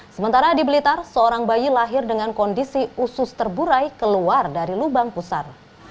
sementara di blitar seorang bayi lahir dengan kondisi usus terburai keluar dari lubang pusar